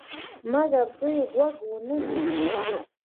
مګر دوی غوږ ونه نیوی.